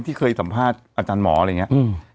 ที่เคยสัมภาษณ์อาจารย์หมออะไรอย่างนี้